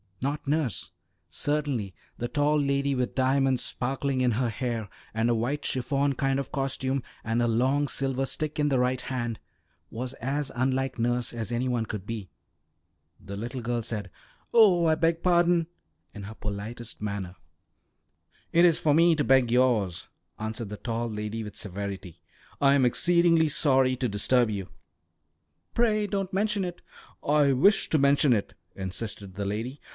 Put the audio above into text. Not nurse. Certainly the tall lady with diamonds sparkling in her hair, and a white chiffon kind of costume, and a long silver stick in the right hand, was as unlike nurse as any one could be. The little girl said, "Oh, I beg pardon!" in her politest manner. "It is for me to beg yours," answered the tall lady with severity. "I am exceedingly sorry to disturb you." "Pray don't mention it." "I wish to mention it," insisted the lady.